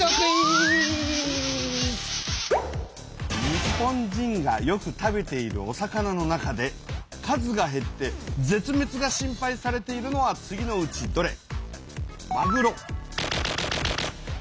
日本人がよく食べているお魚の中で数がへって絶滅が心配されているのは次のうちどれ？